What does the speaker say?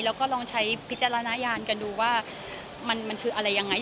แล้วก็ลองใช้วิจารณญาณกันดูว่ามันคืออะไรยังไง